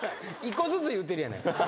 １個ずつ言うてるやないか。